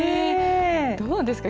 どうですか？